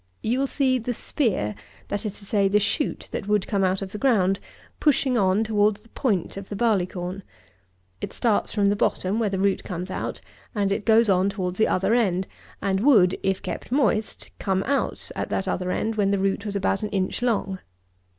You will see the spear, that is to say, the shoot that would come out of the ground, pushing on towards the point of the barley corn. It starts from the bottom, where the root comes out; and it goes on towards the other end; and would, if kept moist, come out at that other end when the root was about an inch long.